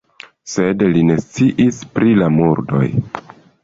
Sed li ne sciis pri la murdoj.